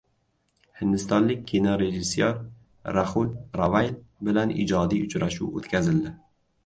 Hindistonlik kinorejissyor Raxul Ravayl bilan ijodiy uchrashuv o‘tkazildi